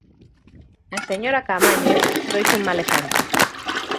A señora Caamaño trouxo un mal exemplo.